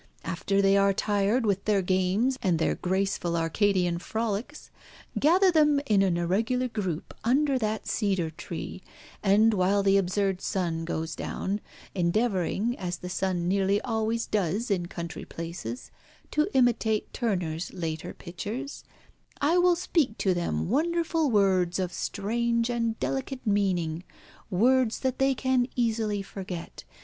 After they are tired with their games and their graceful Arcadian frolics, gather them in an irregular group under that cedar tree, and while the absurd sun goes down, endeavouring, as the sun nearly always does in country places, to imitate Turner's later pictures, I will speak to them wonderful words of strange and delicate meaning, words that they can easily forget.